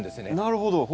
なるほど。